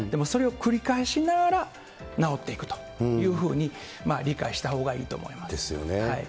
それを繰り返しながら、治っていくというふうに理解したほうがいですよね。